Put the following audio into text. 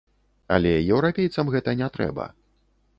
Але еўрапейцам гэта не трэба.